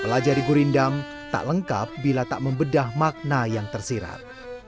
pelajari gurindam tak lengkap bila tak membedah makna yang tersirat